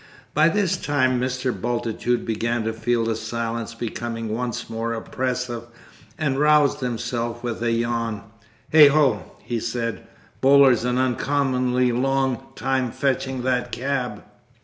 By this time Mr. Bultitude began to feel the silence becoming once more oppressive, and roused himself with a yawn. "Heigho!" he said, "Boaler's an uncommonly long time fetching that cab!"